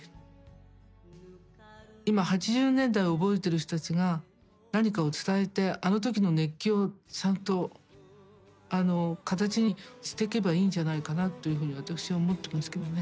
今８０年代を覚えてる人たちが何かを伝えてあの時の熱狂をちゃんと形にしてけばいいんじゃないかなというふうに私は思ってますけどね。